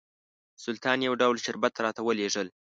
سلطان یو ډول شربت راته راولېږل.